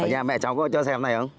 ở nhà mẹ cháu có cho xem này không